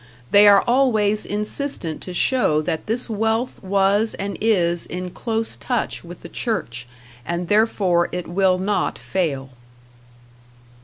They are always insistent to show that this wealth was and is in close touch with the Church, and therefore it will not fail.